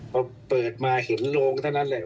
พอเปิดมาเห็นโรงเท่านั้นแหละ